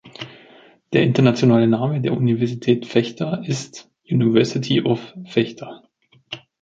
Der internationale Name der Universität Vechta ist "University of Vechta".